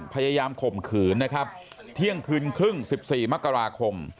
ข่มขืนนะครับเที่ยงคืนครึ่ง๑๔มกราคม